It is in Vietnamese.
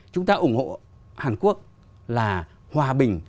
chúng ta ủng hộ hàn quốc là hòa bình